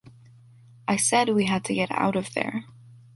I said we had to get out of there.